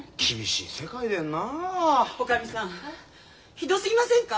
ひどすぎませんか？